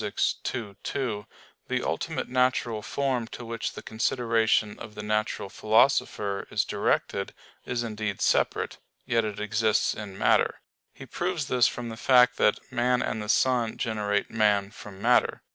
ii, 2), the ultimate natural form to which the consideration of the natural philosopher is directed is indeed separate; yet it exists in matter. He proves this from the fact that "man and the sun generate man from matter."